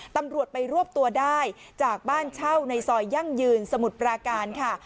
ตำรวจไปรวบตัวได้จากบ้านเช่าในซอยยั่งยืนสมุทรปราการค่ะ